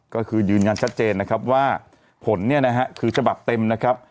ก็คือยืนยันชัดเจนนะครับว่าผลเนี่ยนะฮะคือฉบับเต็มนะครับ